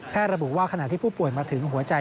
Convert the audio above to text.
ระบุว่าขณะที่ผู้ป่วยมาถึงหัวใจ